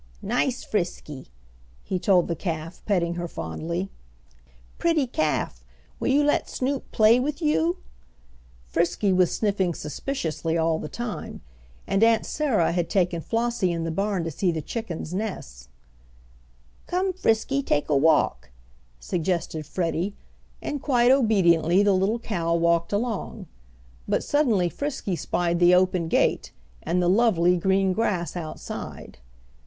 "Nice Frisky," he told the calf, petting her fondly. "Pretty calf, will you let Snoop play with you?" Frisky was sniffing suspiciously all the time, and Aunt Sarah had taken Flossie in the barn to see the chickens' nests. "Come, Frisky, take a walk," suggested Freddie, and quite obediently the little cow walked along. But suddenly Frisky spied the open gate and the lovely green grass outside.